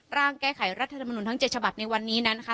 ร่างแก้ไขรัฐธรรมนุนทั้ง๗ฉบับในวันนี้นั้นนะคะ